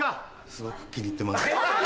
すごく気に入ってます。